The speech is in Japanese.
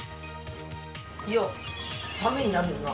いやためになるよな。